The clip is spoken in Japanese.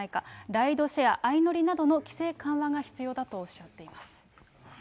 ライドシェア、相乗りなどの規制緩和が必要だとおっしゃっています。